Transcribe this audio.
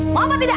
mau apa tidak